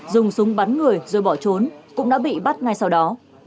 dùng súng bắn người rồi bỏ trốn cũng đã bị bắt ngay sau đó